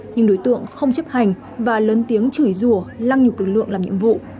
nhưng đối tượng không chấp hành và lớn tiếng chửi rùa lăng nhục lực lượng làm nhiệm vụ